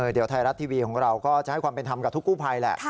เดี๋ยวไทยรัฐทีวีของเราก็จะให้ความเป็นธรรมกับทุกกู้ภัยแหละ